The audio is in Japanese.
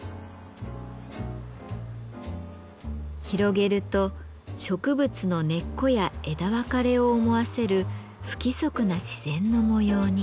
広げると植物の根っこや枝分かれを思わせる不規則な自然の模様に。